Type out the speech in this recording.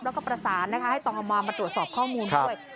แล้วก็ประสานนะคะให้ตมมาตรวจสอบข้อมูลด้วย